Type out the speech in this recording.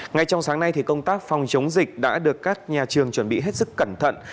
ngay trong sáng nay công tác phòng chống dịch đã được các nhà trường chuẩn bị hết sức cẩn thận